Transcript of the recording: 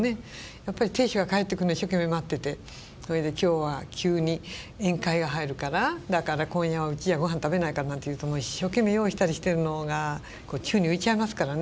やっぱり亭主が帰ってくるの一生懸命待っててそれで「今日は急に宴会が入るからだから今夜はうちじゃごはん食べないから」なんて言うと一生懸命用意したりしてるのが宙に浮いちゃいますからね。